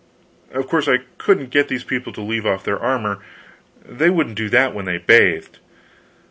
Of course, I couldn't get these people to leave off their armor; they wouldn't do that when they bathed.